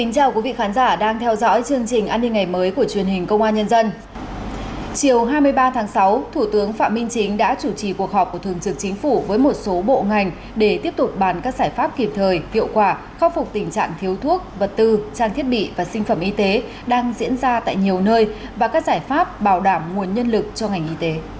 cảm ơn các bạn đã theo dõi